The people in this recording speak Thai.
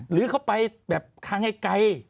หรือเขาไปทางให้ไกล